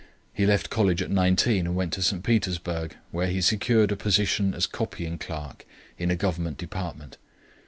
He left college at nineteen and went to St. Petersburg, where he secured a position as copying clerk in a government department.